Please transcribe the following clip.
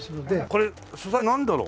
これ素材なんだろう？